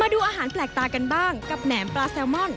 ดูอาหารแปลกตากันบ้างกับแหนมปลาแซลมอน